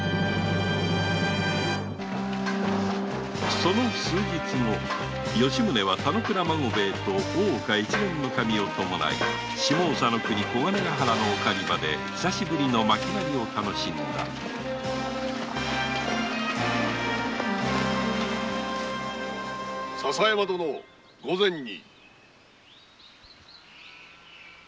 その数日後吉宗は田之倉孫兵衛と大岡越前守を伴い下総の小金ヶ原のお狩場で久々の巻狩を楽しんだ笹山殿御前に。